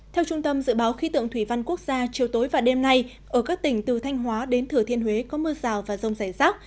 theo trung tâm dự báo khí tượng thủy văn quốc gia chiều tối và đêm nay ở các tỉnh từ thanh hóa đến thừa thiên huế có mưa rào và rông rải rác